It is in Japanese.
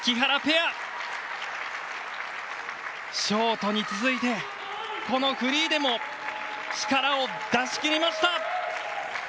ショートに続いてこのフリーでも力を出し切りました。